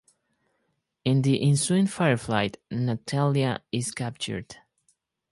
In the ensuing firefight, Natalya is captured.